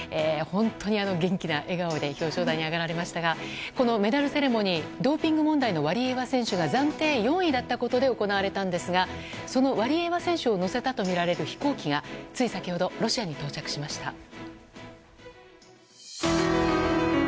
本当に元気な笑顔で表彰台に上がられましたがこのメダルセレモニードーピング問題のワリエワ選手が暫定４位だったことで行われたんですがそのワリエワ選手を乗せたとみられる飛行機がつい先ほどロシアに到着しました。